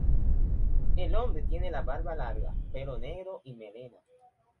El hombre tiene la barba larga, pelo negro y melena.